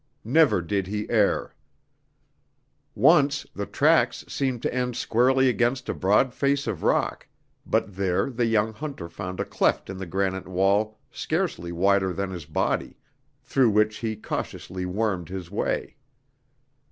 Never did he err. Once the tracks seemed to end squarely against a broad face of rock, but there the young hunter found a cleft in the granite wall scarcely wider than his body, through which he cautiously wormed his way.